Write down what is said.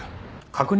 確認？